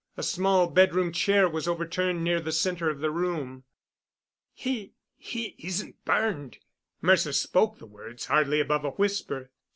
A small bedroom chair was overturned near the center of the room. "He he isn't burned." Mercer spoke the words hardly above a whisper.